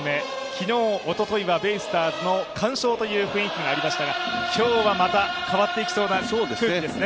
昨日、おとといはベイスターズの完勝という雰囲気もありましたが、今日はまた変わっていきそうな空気ですね？